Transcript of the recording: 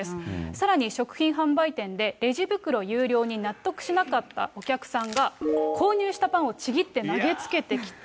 さらに、食品販売店でレジ袋有料に納得しなかったお客さんが、購入したパンをちぎって投げつけてきた。